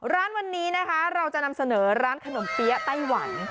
ร้านวันนี้นะคะเราจะนำเสนอร้านขนมเปี๊ยะไต้หวัน